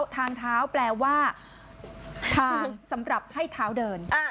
ทางเท้าแปลว่าทางสำหรับให้เท้าเดิน